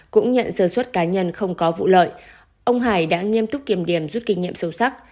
cũng nhận sơ suất cá nhân không có vụ lợi ông hải đã nghiêm túc kiểm điểm rút kinh nghiệm sâu sắc